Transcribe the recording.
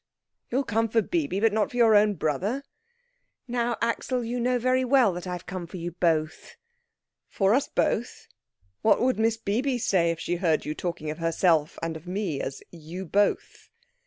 You'll come for Bibi, but not for your own brother?" "Now, Axel, you know very well that I have come for you both." "For us both? What would Miss Bibi say if she heard you talking of herself and of me as 'you both'?"